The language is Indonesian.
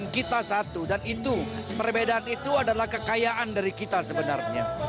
kita satu dan itu perbedaan itu adalah kekayaan dari kita sebenarnya